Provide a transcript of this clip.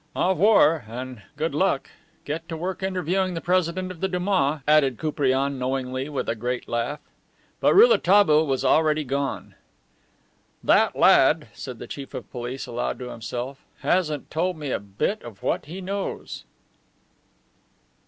"Au revoir, and good luck! Get to work interviewing the President of the Duma," added Koupriane knowingly, with a great laugh. But Rouletabille was already gone. "That lad," said the Chief of Police aloud to himself, "hasn't told me a bit of what he knows."